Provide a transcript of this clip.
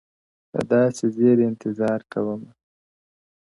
د داســي زيـري انـتــظـار كـومــه،